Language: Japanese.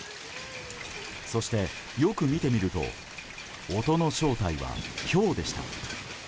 そして、よく見てみると音の正体は、ひょうでした。